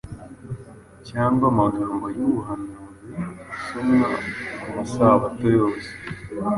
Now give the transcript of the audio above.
cyangwa amagambo y’ubuhanuzi asomwa ku masabato yose,